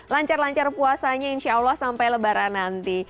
lancar lancar puasanya insya allah sampai lebaran nanti